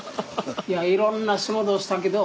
いろんな仕事をしたけど。